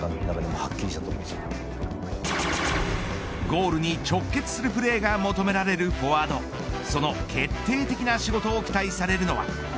ゴールに直結するプレーが求められるフォワードその決定的な仕事を期待されるのは。